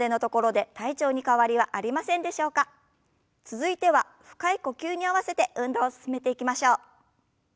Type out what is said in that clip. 続いては深い呼吸に合わせて運動を進めていきましょう。